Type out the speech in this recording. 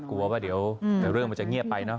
กลัวว่าเดี๋ยวเรื่องมันจะเงียบไปเนอ